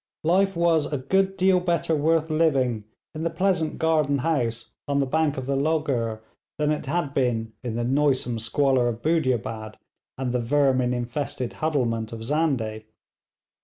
Life was a good deal better worth living in the pleasant garden house on the bank of the Logur than it had been in the noisome squalor of Budiabad and the vermin infested huddlement of Zandeh.